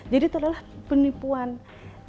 jadi itu adalah penipuan yang terjadi